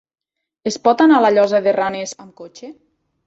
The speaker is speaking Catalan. Es pot anar a la Llosa de Ranes amb cotxe?